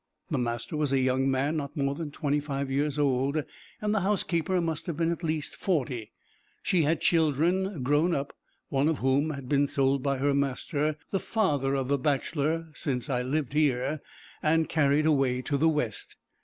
The master was a young man, not more than twenty five years old, and the housekeeper must have been at least forty. She had children grown up, one of whom had been sold by her master, the father of the bachelor, since I lived here, and carried away to the West.